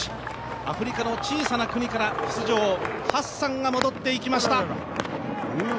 アフリカの小さな国から出場、ハッサンが戻っていきました。